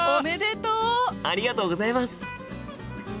ありがとうございます！